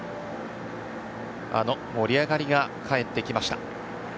あの盛り上がりが帰ってきました。